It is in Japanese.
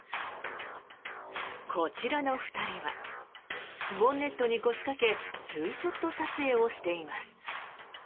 こちらの２人はボンネットに腰掛けツーショット撮影をしています。